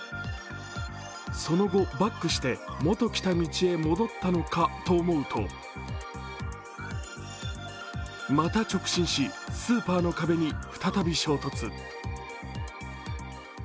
その後、バックしてもと来た道へ戻ったのかと思うと、また直進し、スーパーの壁に再び衝突。